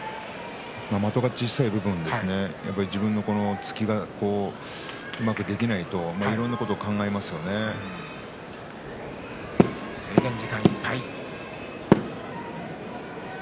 的が小さい分自分の突きがうまくできないと制限時間いっぱい。